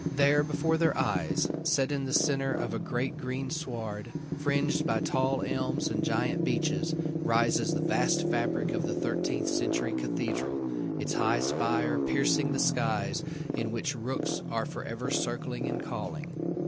There before their eyes, set in the centre of a great green sward, fringed by tall elms and giant beeches, rises the vast fabric of the thirteenth century Cathedral, its high spire piercing the skies in which rooks are for ever circling and calling.